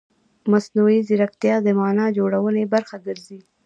مصنوعي ځیرکتیا د معنا جوړونې برخه ګرځي.